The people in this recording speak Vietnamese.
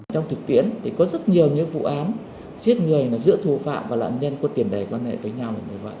trong thực tiễn thì có rất nhiều những vụ án giết người giữa thù phạm và nạn nhân có tiền đầy quan hệ với nhau